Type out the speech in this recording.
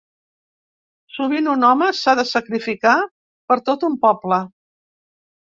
Sovint un home s’ha de sacrificar per tot un poble.